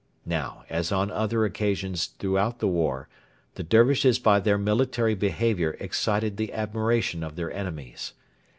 Now, as on other occasions throughout the war, the Dervishes by their military behaviour excited the admiration of their enemies.